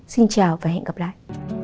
xin chào và hẹn gặp lại